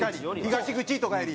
「東口」とかより。